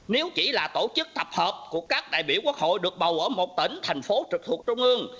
nếu chỉ là tổ chức tập hợp của các đại biểu quốc hội được bầu ở một tỉnh thành phố trực thuộc trung ương